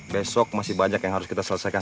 besok masih banyak yang harus kita selesaikan